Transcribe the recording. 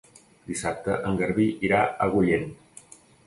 Dissabte en Garbí irà a Agullent.